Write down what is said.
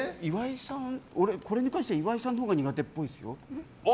これに関しては岩井さんのほうが苦手っぽいですよ。